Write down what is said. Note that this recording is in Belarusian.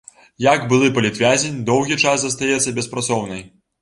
Як былы палітвязень доўгі час застаецца беспрацоўнай.